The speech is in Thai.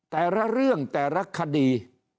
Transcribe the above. แต่ละเรื่องแต่ละคดี